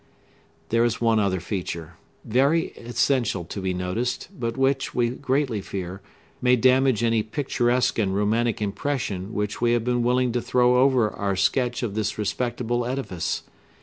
There is one other feature, very essential to be noticed, but which, we greatly fear, may damage any picturesque and romantic impression which we have been willing to throw over our sketch of this respectable edifice.